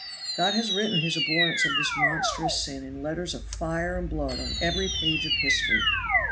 God has written His abhorrence of this monstrous sin in letters of fire and blood on every page of history."